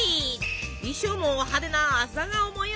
衣装も派手な朝顔模様！